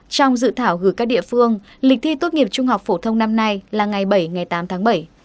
trong sự thảo hứa các địa phương lịch thi tốt nghiệp trung học phổ thông năm nay là ngày bảy tám tháng bảy